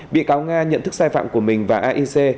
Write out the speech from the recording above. bị cáo nga nhận thức sai phạm của mình và aic